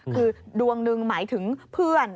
คือดวงหนึ่งหมายถึงเพื่อน